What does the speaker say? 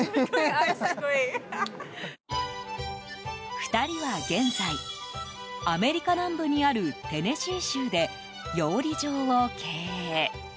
２人は現在アメリカ南部にあるテネシー州で養鯉場を経営。